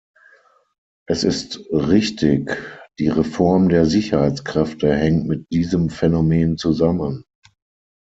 Es ist richtig, die Reform der Sicherheitskräfte hängt mit diesem Phänomen zusammen.